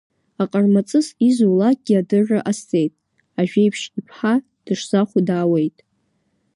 Аҟармаҵыс изулакгьы адырра ҟасҵеит, ажәеиԥшь иԥҳа дышзахәо даауеит.